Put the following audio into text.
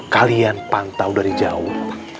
kalian pantau dari jauh